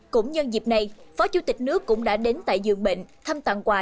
cũng nhân dịp này phó chủ tịch nước cũng đã đến tại dường bệnh thăm tặng quà